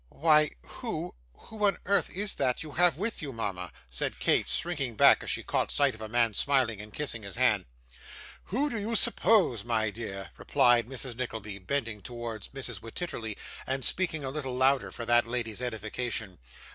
'Why who who on earth is that you have with you, mama?' said Kate, shrinking back as she caught sight of a man smiling and kissing his hand. 'Who do you suppose, my dear?' replied Mrs. Nickleby, bending towards Mrs Wititterly, and speaking a little louder for that lady's edification.